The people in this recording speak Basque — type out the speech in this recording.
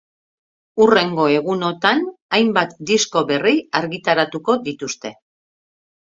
Hurrengo egunotan, hainbat disko berri argitaratuko dituzte.